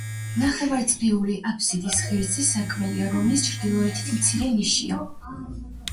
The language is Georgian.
ნახევარწრიული აფსიდის ღერძზე სარკმელია, რომლის ჩრდილოეთით მცირე ნიშია.